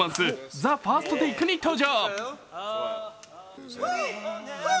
「ＴＨＥＦＩＲＳＴＴＡＫＥ」に登場。